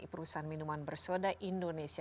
perusahaan minuman bersoda indonesia